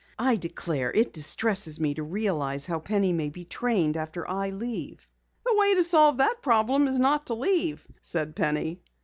I declare, it distresses me to realize how Penny may be trained after I leave." "The way to solve that problem is not to leave," said Penny.